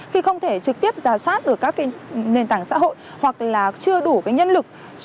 khi không thể trực tiếp ra soát từ các nền tảng xã hội hoặc là chưa đủ cái nhân lực